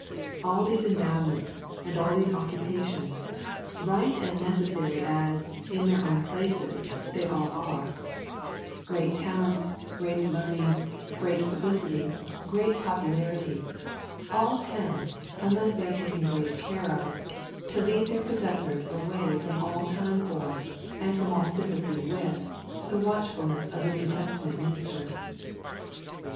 All these endowments, and all these occupations, right and necessary as, in their own places, they all are, great talents, great learning, great publicity, great popularity, all tend, unless they are taken great care of, to lead their possessors away from all time for, and from all sympathy with, the watchfulness of the New Testament minister.